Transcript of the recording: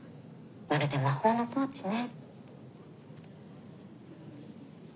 まるで魔法のポーチね。